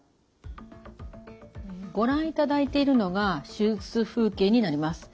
ご覧いただいているのが手術風景になります。